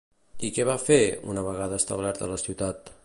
I què va fer, una vegada establerta a la ciutat?